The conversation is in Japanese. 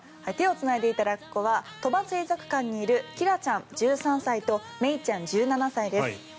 手をつないでいたラッコは鳥羽水族館にいるキラちゃん、１３歳とメイちゃん、１７歳です。